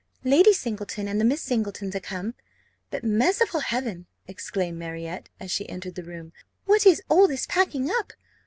Lady Singleton and the Miss Singletons are come. But, merciful heaven!" exclaimed Marriott, as she entered the room, "what is all this packing up?